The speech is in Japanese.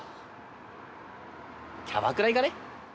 キャバクラ行かね？